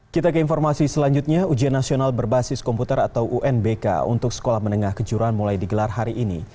kita ke informasi selanjutnya ujian nasional berbasis komputer atau unbk untuk sekolah menengah kejuran mulai digelar hari ini